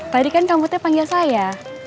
tadi kan kamu teh panggil saya